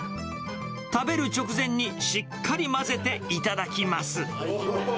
食べる直前にしっかり混ぜて頂きます。